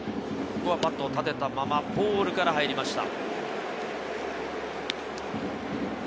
ここはバットを立てたままボールから入りました。